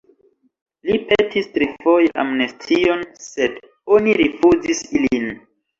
Li petis trifoje amnestion, sed oni rifuzis ilin.